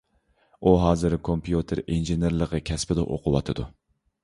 ئۇ ھازىر كومپيۇتېر ئىنژېنېرلىقى كەسپىدە ئوقۇۋاتىدۇ.